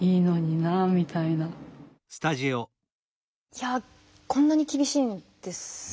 いやこんなに厳しいんですね。